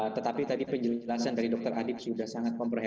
tetapi tadi penjelasan dari dr adib sudah sangat memperhatikan